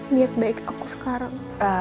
lihat baik aku sekarang